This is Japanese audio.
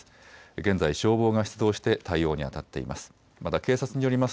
現在、消防が出動して対応にあたっています。